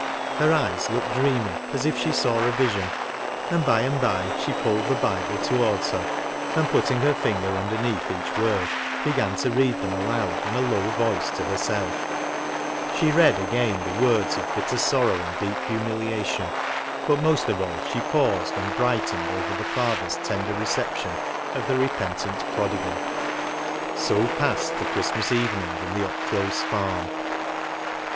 Her eyes looked dreamy, as if she saw a vision ; and by and by she pulled the bible towai ds her, and putting her finger underneath each word, began to read them aloud in a low voice to herself ; she read again the words of bitter sorrow and deep humilia tion ; but most of all she paused and bright ened over the father's tender reception of the repentant prodigal. So passed the Christmas evening in the Upclose Farm.